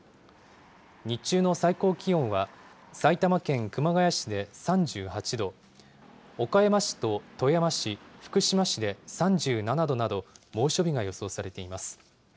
日中の最高気温は、埼玉県熊谷市で３８度、岡山市と富山市、福島市で３７度など、猛暑日が予想されています。